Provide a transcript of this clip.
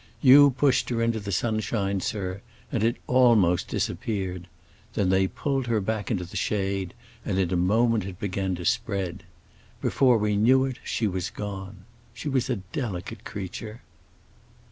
You pushed her into the sunshine, sir, and it almost disappeared. Then they pulled her back into the shade and in a moment it began to spread. Before we knew it she was gone. She was a delicate creature."